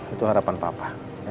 itu harapan papa